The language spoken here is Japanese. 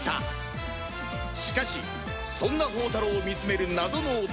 しかしそんな宝太郎を見つめる謎の男